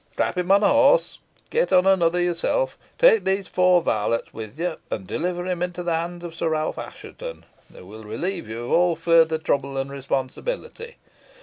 Clap him on a horse, get on another yourself, take these four varlets with you, and deliver him into the hands of Sir Ralph Assheton, who will relieve you of all further trouble and responsibility.